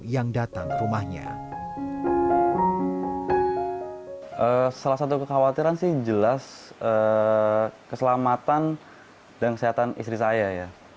yang datang rumahnya selasa tuh kekhawatiran sih jelas keselamatan dan kesehatan istri saya ya